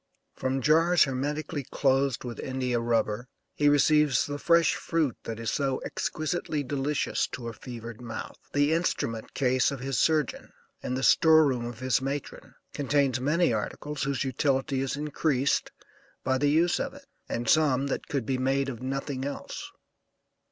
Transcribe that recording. From jars hermetically closed with India rubber he receives the fresh fruit that is so exquisitely delicious to a fevered mouth. The instrument case of his surgeon, and the store room of his matron contains many articles whose utility is increased by the use of it, and some that could be made of nothing else.